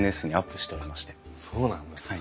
そうなんですか。